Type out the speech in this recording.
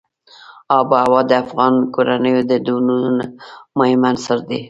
آب وهوا د افغان کورنیو د دودونو مهم عنصر دی.